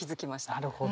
なるほど。